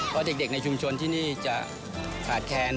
เพราะเด็กในชุมชนที่นี่จะขาดแคลน